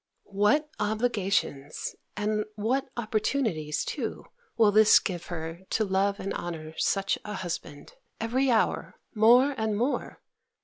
What obligations, and opportunities too, will this give her to love and honour such a husband, every hour, more and more!